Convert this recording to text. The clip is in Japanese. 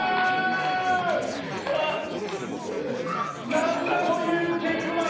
なんという結末！